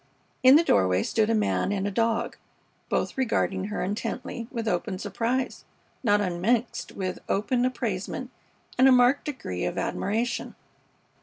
In the doorway stood a man and a dog, both regarding her intently with open surprise, not unmixed with open appraisement and a marked degree of admiration.